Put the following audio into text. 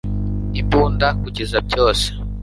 imbunda - kugeza byose